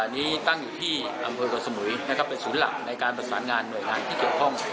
อันนี้ตั้งอยู่ที่อำเภอกเกาะสมุยนะครับเป็นศูนย์หลักในการประสานงานหน่วยงานที่เกี่ยวข้อง